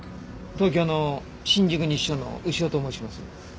東京の新宿西署の牛尾と申します。